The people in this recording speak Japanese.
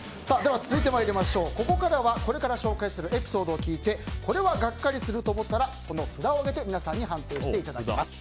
続いて、ここからはこれから紹介するエピソードを聞いてこれはガッカリすると思ったら札を挙げて皆さんに判定していただきます。